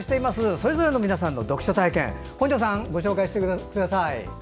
それぞれの皆さんの読書体験本庄さん、ご紹介してください。